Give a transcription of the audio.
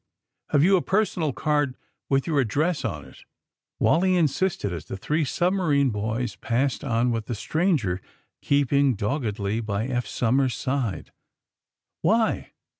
*^Have you a personal card with your address on it?" Wally insisted, as the three submarine boys passed on with the stranger keeping dog gedly by Eph Somers 's side, *'Why?"